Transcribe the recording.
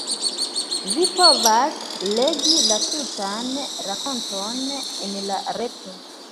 Vi povas legi la tutan rakonton en la reto.